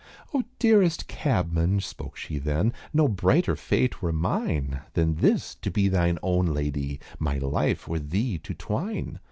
"Oh, dearest Cabman," spoke she then, "No brighter fate were mine Than this: to be thine own laydee, My life with thee to twine.